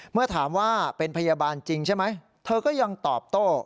เมื่อถามว่าเป็นพยาบาลจริงใช่ไหมเธอก็ยังตอบโต้